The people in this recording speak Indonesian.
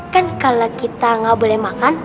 kan kalau kita nggak boleh makan